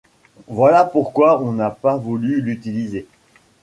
Voilà pourquoi on n’a pas voulu l’utiliser.